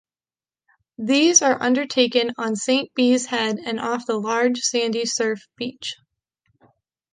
These are undertaken on Saint Bees Head and off the large sandy surf beach.